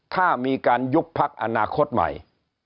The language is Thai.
ถ้ามีการยุบพักอนาคตใหม่